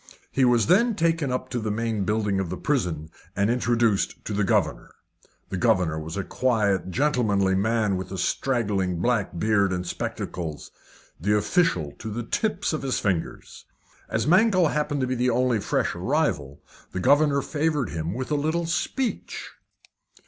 He was then taken up to the main building of the prison, and introduced to the governor. The governor was a quiet, gentlemanly man, with a straggling black beard and spectacles the official to the tips of his fingers. As Mankell happened to be the only fresh arrival, the governor favoured him with a little speech.